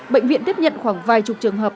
bệnh viện tiếp nhận khoảng vài chục trường hợp